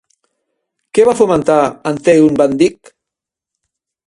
Què va fomentar amb Teun van Dijk?